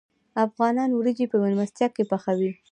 افغانان وریجې په میلمستیا کې پخوي.